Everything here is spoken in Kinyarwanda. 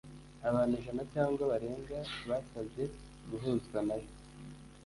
abantu ijana cyangwa barenga basabye guhuzwa nayo